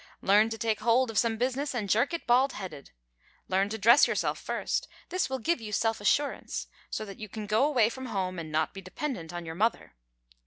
Learn to take hold of some business and jerk it bald headed. Learn to dress yourself first. This will give you self assurance, so that you can go away from home and not be dependent on your mother.